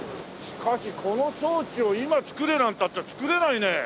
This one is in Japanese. しかしこの装置を今作れなんていったって作れないね。